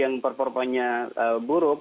yang performanya buruk